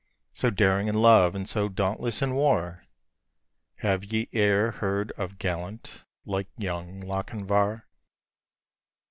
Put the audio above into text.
So daring in love, and so dauntless in war, Have ye e'er heard of gallant like young Lochinvar?